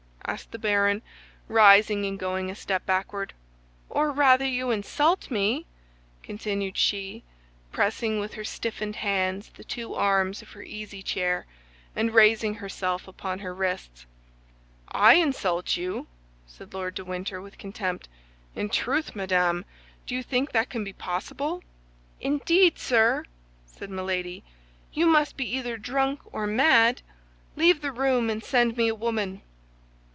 asked the baron, rising and going a step backward. "Or rather you insult me," continued she, pressing with her stiffened hands the two arms of her easy chair, and raising herself upon her wrists. "I insult you!" said Lord de Winter, with contempt. "In truth, madame, do you think that can be possible?" "Indeed, sir," said Milady, "you must be either drunk or mad. Leave the room, and send me a woman."